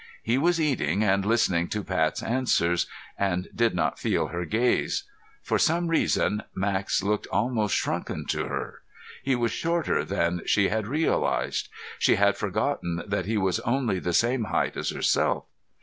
He was eating and listening to Pat's answers and did not feel her gaze. For some reason Max looked almost shrunken to her. He was shorter than she had realized; she had forgotten that he was only the same height as herself.